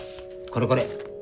これこれ。